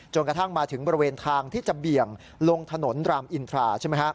กระทั่งมาถึงบริเวณทางที่จะเบี่ยงลงถนนรามอินทราใช่ไหมฮะ